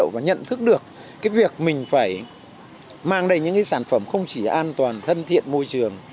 và nhận thức được việc mình phải mang đây những sản phẩm không chỉ an toàn thân thiện môi trường